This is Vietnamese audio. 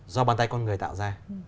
do bàn tay con người tạo ra